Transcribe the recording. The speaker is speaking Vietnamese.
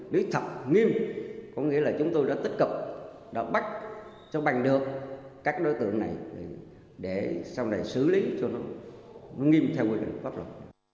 lý thật nghiêm có nghĩa là chúng tôi đã tích cực đã bắt cho bằng được các đối tượng này để sau này xử lý cho nó nghiêm theo quy định của pháp luật